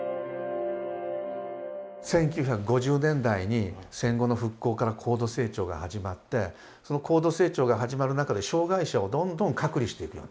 １９５０年代に戦後の復興から高度成長が始まってその高度成長が始まる中で障害者をどんどん隔離していくようになった。